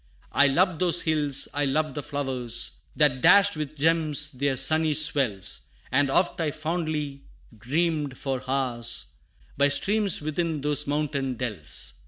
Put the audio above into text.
I loved those hills, I loved the flowers, That dashed with gems their sunny swells, And oft I fondly dreamed for hours, By streams within those mountain dells.